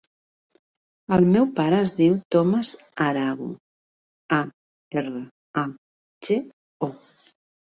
El meu pare es diu Thomas Arago: a, erra, a, ge, o.